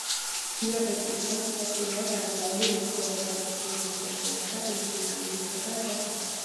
დიაბეტის დროს საჭიროა დარღვეული ნივთიერებათა ცვლის მოწესრიგება, ინსულინის მიღება და სხვა.